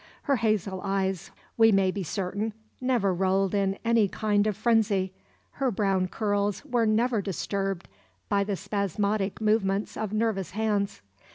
Her hazel eyes, we may be certain, never rolled in any kind of frenzy, her brown curls were never disturbed by the spasmodic movements of nervous hands.